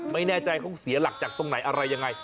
ไม่แน่ใจเขาเสียหลักจากตรงไหนอะไรยังไง